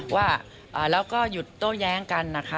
ว่าแล้วก็หยุดโต้แย้งกันนะคะ